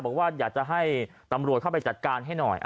บอกว่าอยากจะให้ตำรวจเข้าไปจัดการให้หน่อย